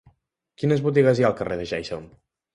Quines botigues hi ha al carrer de Ja-hi-som?